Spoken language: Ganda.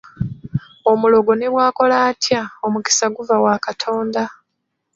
Omulogo ne bw’akola atya, omukisa guva wa Katonda.